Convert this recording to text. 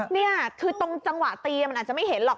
นี่คือตรงจังหวะตีมันอาจจะไม่เห็นหรอก